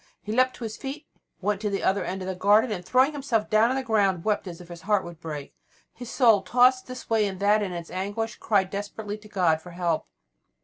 He leapt to his feet, went to the other end of the garden, and, throwing himself down on the ground, wept as if his heart would break. His soul, tossed this way and that in its anguish, cried desperately to God for help.